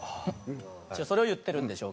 それを言ってるんでしょうけど。